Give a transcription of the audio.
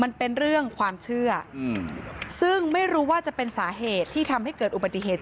มันเป็นเรื่องความเชื่อซึ่งไม่รู้ว่าจะเป็นสาเหตุที่ทำให้เกิดอุบัติเหตุ